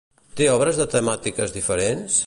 Té obres de temàtiques diferents?